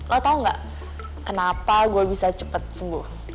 lo tahu nggak kenapa gue bisa cepat sembuh